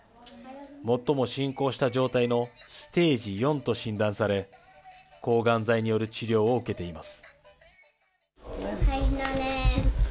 最も進行した状態のステージ４と診断され、抗がん剤による治療を受けています。